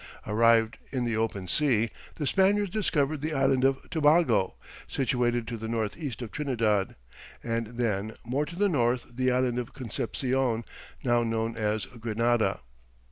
Arrived in the open sea, the Spaniards discovered the Island of Tobago situated to the north east of Trinidad, and then, more to the north, the Island of Conception, now known as Grenada.